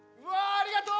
ありがとう！